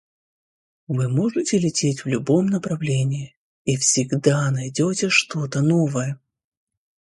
Вы можете лететь в любом направлении, и всегда найдете что-то новое.